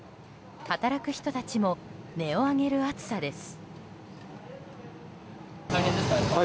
働く人たちも根を上げる暑さです。